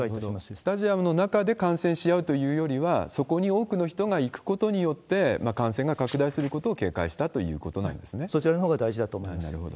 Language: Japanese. スタジアムの中で感染し合うということよりはそこに多くの人が行くことによって、感染が拡大することを警戒したということなそちらの方が大事だと思いまなるほど。